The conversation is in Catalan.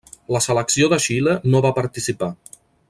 La selecció de Xile no va participar.